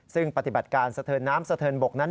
ซึ่งปฏิบัติการสะเทินน้ำสะเทินบกนั้น